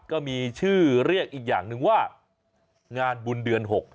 ก็มีชื่อเรียกอีกอย่างหนึ่งว่างานบุญเดือน๖